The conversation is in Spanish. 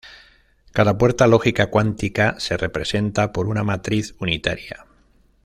Cada puerta lógica cuántica se representa por una matriz unitaria.